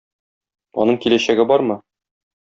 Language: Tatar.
Аның киләчәге бармы?